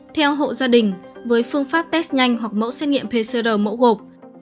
theo hộ gia đình với phương pháp test nhanh hoặc mẫu xét nghiệm pcr mẫu gộp